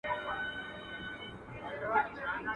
غنم او جوار دواړه په نان کې ګټور دي.